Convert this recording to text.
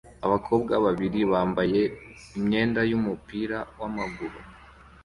Abakobwa babiri bambaye imyenda yumupira wamaguru